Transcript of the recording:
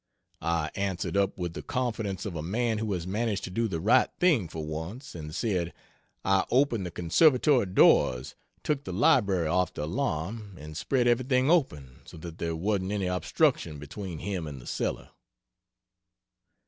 I answered up with the confidence of a man who has managed to do the right thing for once, and said "I opened the conservatory doors, took the library off the alarm, and spread everything open, so that there wasn't any obstruction between him and the cellar."